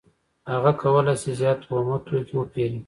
هغه کولای شي زیات اومه توکي وپېري